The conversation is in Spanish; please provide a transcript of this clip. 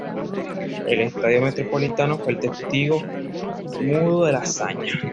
El estadio Metropolitano fue el testigo mudo de la hazaña.